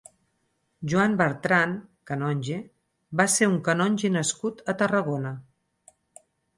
Joan Bertran (canonge) va ser un canonge nascut a Tarragona.